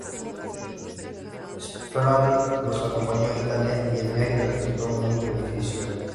Schläfli los acompañó a Italia, y el viaje le resultó muy beneficioso.